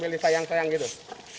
diberi paken agar tetap menengok